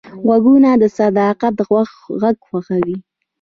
غوږونه د صداقت غږ خوښوي